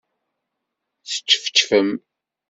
Teččefčfem?